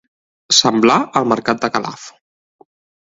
Semblar el mercat de Calaf.